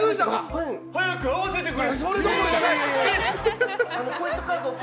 早く会わせてくれ！